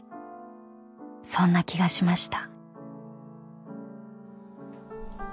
［そんな気がしました］